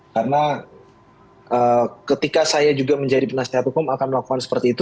karena ketika saya juga menjadi penasehat hukum akan melakukan seperti itu